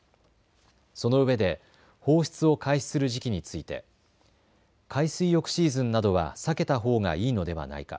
そのうえで放出を開始する時期について海水浴シーズンなどは避けたほうがいいのではないか。